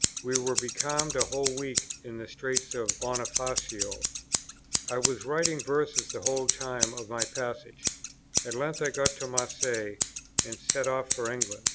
We were becalmed a whole week in the Straits of Bonifacio. I was writing verses the whole time of my passage. At length I got to Marseilles, and set off for England.